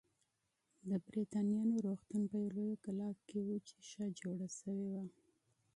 د بریتانویانو روغتون په یوه لویه کلا کې و چې ښه جوړه شوې وه.